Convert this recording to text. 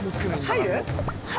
入る？